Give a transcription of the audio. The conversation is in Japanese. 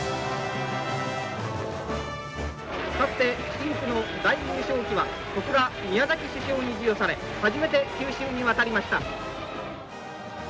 深紅の大優勝旗は小倉宮崎主将に授与され初めて九州に渡りました。